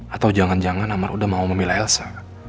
atau jangan jangan amar udah mau memilih elsa